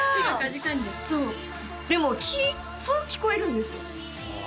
そうでもそう聞こえるんですよ